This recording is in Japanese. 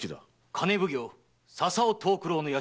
金奉行・笹尾藤九郎の屋敷です。